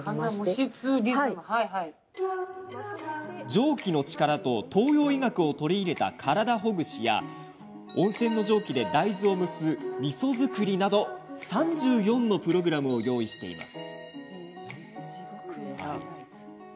蒸気の力と東洋医学を取り入れた体ほぐしや温泉の蒸気で大豆を蒸すみそ造りなど３４のプログラムを用意しています。